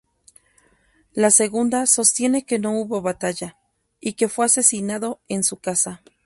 La segunda sostiene que no hubo batalla, y que fue asesinado en su casa.